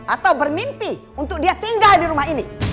atau bermimpi untuk dia tinggal di rumah ini